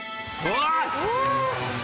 うわ！